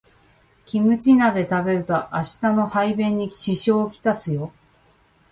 キムチ鍋食べると明日の排便に支障をきたすよ